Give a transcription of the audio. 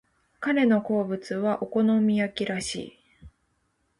彼の好物はお好み焼きらしい。